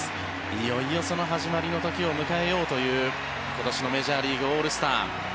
いよいよ、その始まりの時を迎えようという今年のメジャーリーグオールスター。